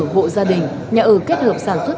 bộ gia đình nhà ở kết hợp sản xuất